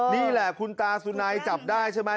นี่แหละคุณตาสุนัยจับได้ใช่ไหม